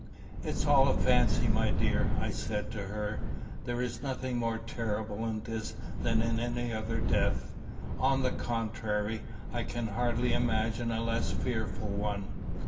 "It is all a fancy, my dear," I said to her. "There is nothing more terrible in this than in any other death. On the contrary, I can hardly imagine a less fearful one.